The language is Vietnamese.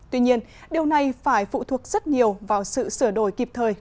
tuy nhiên điều này phải phụ thuộc rất nhiều vào sự sửa đổi kịp thời